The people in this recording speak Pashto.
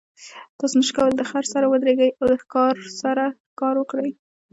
تاسو نشئ کولی د خر سره ودریږئ او د ښکار سره ښکار وکړئ.